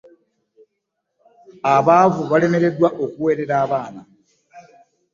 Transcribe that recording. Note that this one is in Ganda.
Abaavu balemereddwa okuweerera abaana.